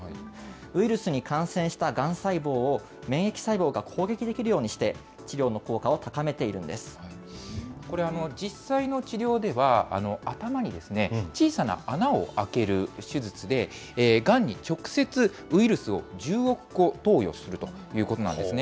ウイルスに感染したがん細胞を免疫細胞が攻撃できるようにして、これ、実際の治療では、頭に小さな穴を開ける手術で、がんに直接ウイルスを１０億個投与するということなんですね。